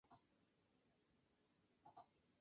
Enseñó Sagradas Escrituras y hebreo.